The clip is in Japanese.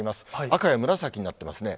赤や紫になってますね。